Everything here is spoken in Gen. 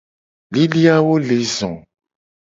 Lilikpoawo le zo.